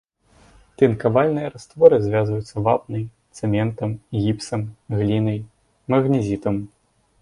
Тынкавальныя растворы звязваюцца вапнай, цэментам, гіпсам, глінай, магнезітам.